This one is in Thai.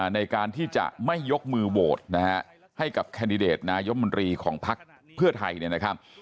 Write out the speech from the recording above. ในการที่จะไม่ยกมือโหวตนะฮะให้กับแคนดิเดตนายมนตรีของพักเพื่อไทยเนี่ยนะครับ